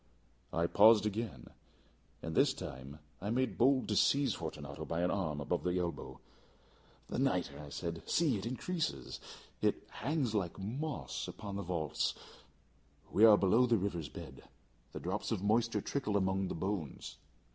I paused again, and this time I made bold to seize Fortunato by an arm above the elbow. "The nitre!" I said; "see, it increases. It hangs like moss upon the vaults. We are below the river's bed. The drops of moisture trickle among the bones.